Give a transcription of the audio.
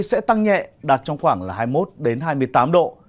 sẽ tăng nhẹ đạt trong khoảng hai mươi một hai mươi tám độ